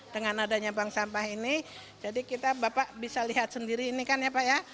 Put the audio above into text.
dengan adanya bank sampah ini jadi kita bapak bisa lihat sendiri ini kan ya pak ya